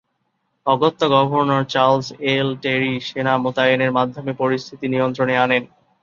অগত্যা governor Charles L Terry সেনা মোতায়েনের মাধ্যমে পরিস্থিতি নিয়ন্ত্রণে আনেন।